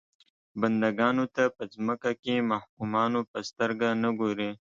بنده ګانو ته په ځمکه کې محکومانو په سترګه نه ګوري.